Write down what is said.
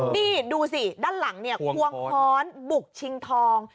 นี่ดูสิด้านหลังค้วงพร้อนบุกชิงทอง